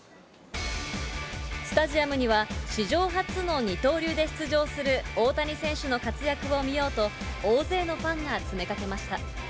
スタジアムには、史上初の二刀流で出場する大谷選手の活躍を見ようと、大勢のファンが詰めかけました。